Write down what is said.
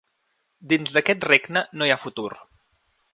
Dins d’aquest regne no hi ha futur.